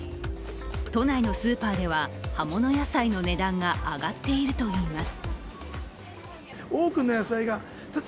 都内のスーパーでは葉物野菜の値段が上がっているといいます。